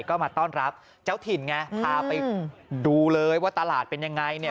ก็มาต้อนรับเจ้าถิ่นไงพาไปดูเลยว่าตลาดเป็นยังไงเนี่ย